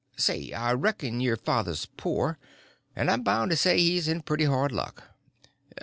Say, I reckon your father's poor, and I'm bound to say he's in pretty hard luck.